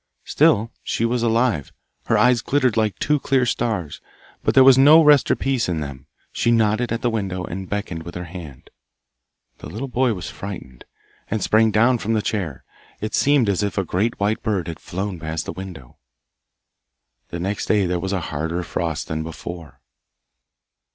Still she was alive; her eyes glittered like two clear stars, but there was no rest or peace in them. She nodded at the window, and beckoned with her hand. The little boy was frightened, and sprang down from the chair. It seemed as if a great white bird had flown past the window. The next day there was a harder frost than before.